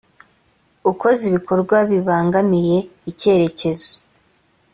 ukoze ibikorwa bibangamiye icyerekezo